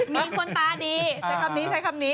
มีคนตาดีใช้คำนี้